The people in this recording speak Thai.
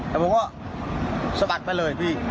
แต่ผมก็สะบัดไปเลยพี่